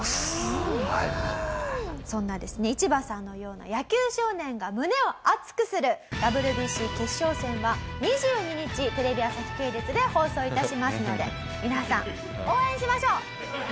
そんなですねイチバさんのような野球少年が胸を熱くするＷＢＣ決勝戦は２２日テレビ朝日系列で放送致しますので皆さん応援しましょう！